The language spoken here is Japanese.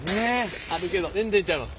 あるけど全然ちゃいます。